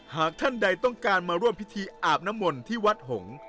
หากท่านใดต้องการมาร่วมพิธีอาบน้ำมนต์ที่วัดหงษ์